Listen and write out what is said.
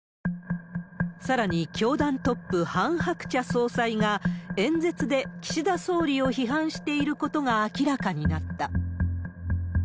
さらに教団トップ、ハン・ハクチャ総裁が、演説で岸田総理を批判していることが明らかになった。